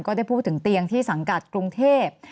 ได้พูดถึงเตียงที่สังกัดกรุงเทพ